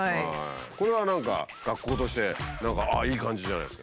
これは何か学校として何かいい感じじゃないですか。